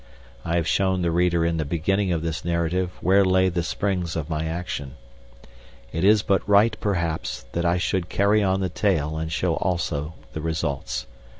I have shown the reader in the beginning of this narrative where lay the springs of my action. It is but right, perhaps, that I should carry on the tale and show also the results.